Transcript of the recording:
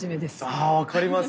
あ分かります。